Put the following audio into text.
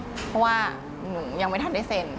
เพราะว่าหนูยังไม่ทันได้เซ็น